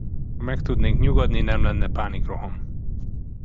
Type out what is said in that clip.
Ha meg tudnék nyugodni, nem lenne pánikroham.